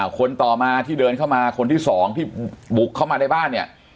คนต่อมาที่เดินเข้ามาคนที่สองที่บุกเข้ามาในบ้านเนี่ย